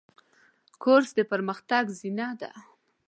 کورس د پرمختګ زینه ده.